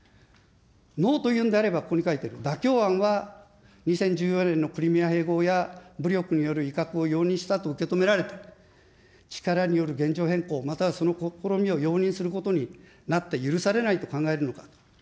ノーと言うのであれば、ここにある妥協案は２０１４年のクリミア併合や、武力による威嚇を容認したと受け止められた、力による現状変更、またはその試みを容認することになって許されないと考えるのかと。